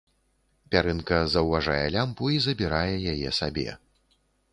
Пярынка заўважае лямпу і забірае яе сабе.